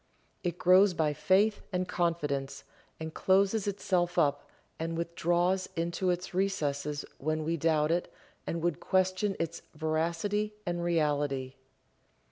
It grows by faith and confidence, and closes itself up, and withdraws into its recesses when we doubt it and would question its veracity and reality.